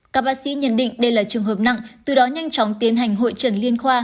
các bác sĩ nhận định đây là trường hợp nặng từ đó nhanh chóng tiến hành hội trần liên khoa